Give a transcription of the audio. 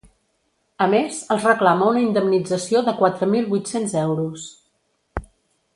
A més, els reclama una indemnització de quatre mil vuit-cents euros.